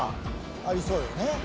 ありそうよね。